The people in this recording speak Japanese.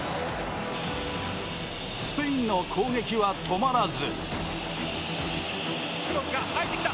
スペインの攻撃は止まらず。